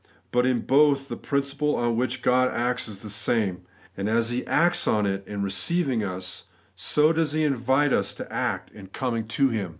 But in both, the principle on which God acts is the same. And as He acts on it in receiving us, so does He invite us to act in coming to Him.